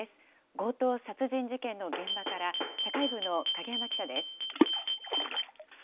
強盗殺人事件の現場から、社会部の影山記者です。